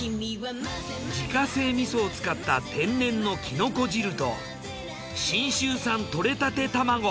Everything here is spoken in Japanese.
自家製味噌を使った天然のきのこ汁と信州産とれたてたまご。